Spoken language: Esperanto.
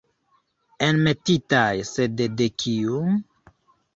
Enmetitaj, sed de kiu?